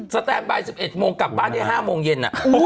สแตะฟ์บาย๑๑โมงกลับบ้าน๕โมงเย็น